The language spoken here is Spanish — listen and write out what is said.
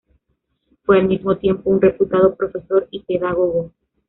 Fue al mismo tiempo un reputado profesor y pedagogo.